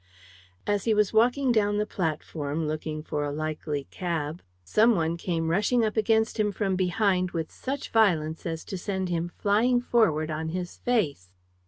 As he was walking down the platform, looking for a likely cab, some one came rushing up against him from behind with such violence as to send him flying forward on his face.